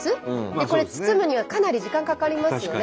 これ包むにはかなり時間かかりますよね。